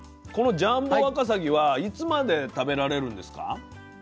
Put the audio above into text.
このジャンボわかさぎはいつまで食べられるんですか？